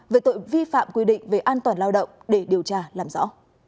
về tội vi phạm quy định về an toàn lao động để điều tra làm rõ